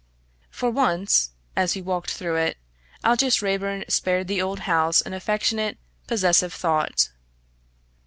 For once, as he walked through it, Aldous Raeburn spared the old house an affectionate possessive thought.